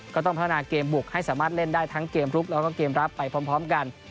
ก็ต้องพัฒนาเกมบุกให้สามารถเล่นได้ทั้งเกมลุกแล้วก็เกมรับไปพร้อมกัน